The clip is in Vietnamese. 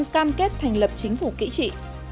cam kết thành lập chính phủ kỹ trị